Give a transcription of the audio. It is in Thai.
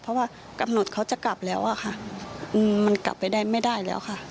เพราะว่ากำหนดเขาจะกลับแล้วอะค่ะมันกลับไปได้ไม่ได้แล้วค่ะ